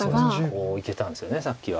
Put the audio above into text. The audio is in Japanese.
こういけたんですよねさっきは。